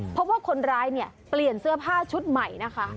เพราะว่าคนร้ายเนี่ยเปลี่ยนเสื้อผ้าชุดใหม่นะคะ